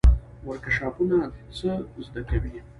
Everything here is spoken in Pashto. ورکشاپونه څه زده کوي؟